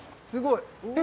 すごい。